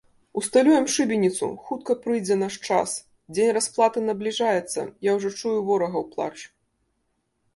Усталюем шыбеніцу, хутка прыйдзе наш час, дзень расплаты набліжаецца, я ўжо чую ворагаў плач.